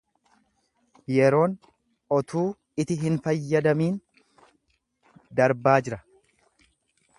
Yeroon otuu iti hin fayyadamiin darbaa jira.